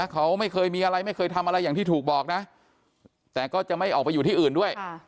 เขาไม่เคยมีอะไรไม่เคยทำอะไรอย่างที่ถูกบอกนะแต่ก็จะไม่ออกไปอยู่ที่อื่นด้วย